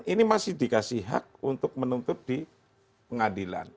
ini masih dikasih hak untuk menuntut di pengadilan